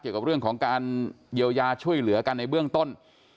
เกี่ยวกับเรื่องของการเยียวยาช่วยเหลือกันในเบื้องต้น